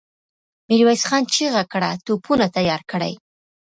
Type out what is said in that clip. ميرويس خان چيغه کړه! توپونه تيار کړئ!